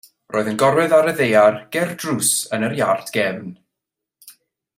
Roedd yn gorwedd ar y ddaear ger drws yn yr iard gefn.